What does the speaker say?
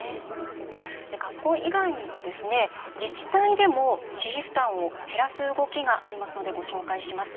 学校以外にも自治体でも私費負担を減らす動きがありますのでご紹介します。